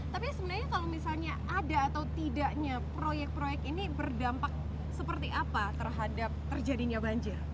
tapi sebenarnya kalau misalnya ada atau tidaknya proyek proyek ini berdampak seperti apa terhadap terjadinya banjir